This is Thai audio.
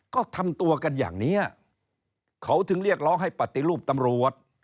ก็ทำตัวกันอย่างนี้เขาถึงเรียกร้องให้ปฏิรูปตำรวจ